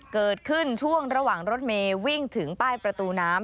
เกิดขึ้นช่วงระหว่างรถเมย์วิ่งถึงป้ายประตูน้ำ